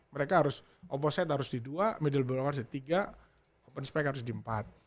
mereka harus opposite harus di dua middle blocker harus di tiga open spike harus di empat